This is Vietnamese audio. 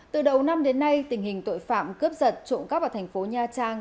từ đầu năm đến nay tình hình tội phạm cướp giật trộn cắp ở tp nha trang